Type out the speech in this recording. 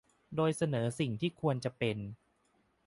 โดยเสนอสิ่งที่ควรจะเป็น